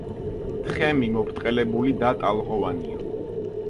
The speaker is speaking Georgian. თხემი მობრტყელებული და ტალღოვანია.